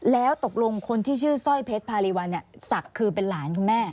แล้วตกลงคนที่ชื่อสร้อยเพชรพารีวัลศักดิ์คือเป็นหลานคุณแม่